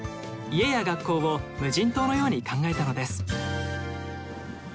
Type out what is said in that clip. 家や学校を無人島のように考えたのです。